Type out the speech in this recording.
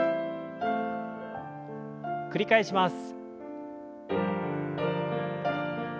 繰り返します。